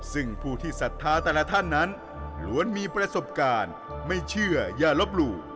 ซึ่งผู้ที่ศรัทธาแต่ละท่านนั้นล้วนมีประสบการณ์ไม่เชื่ออย่าลบหลู่